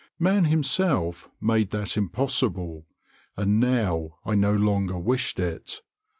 Man himself made that impossible, and now I no longer wished it.